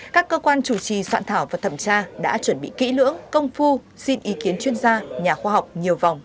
các cơ quan chủ trì soạn thảo và thẩm tra đã chuẩn bị kỹ lưỡng công phu xin ý kiến chuyên gia nhà khoa học nhiều vòng